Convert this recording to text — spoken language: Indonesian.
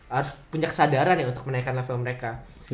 harus punya kesadaran ya untuk menaikkan level mereka